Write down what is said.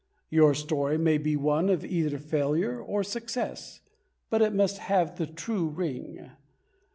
Your story may be one of either failure or success, but it must have the true ring.